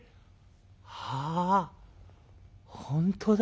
「はあ本当だ。